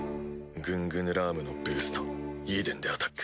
グングヌラームのブーストイーデンでアタック！